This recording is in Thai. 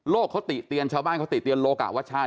โรคเขาติเตียงชาวบ้านเขาติเตียงโลกหาวัชชานี่